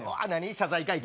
謝罪会見？